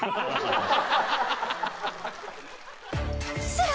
さあ